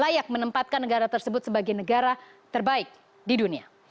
layak menempatkan negara tersebut sebagai negara terbaik di dunia